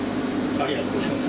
ありがとうございます。